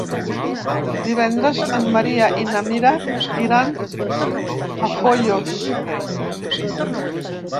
Divendres en Maria i na Mira iran a Foios.